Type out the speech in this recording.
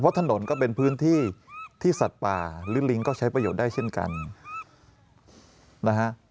เพราะถนนก็เป็นพื้นที่ที่สัตว์ป่าหรือลิงก็ใช้ประโยชน์ได้เช่นกันนะฮะ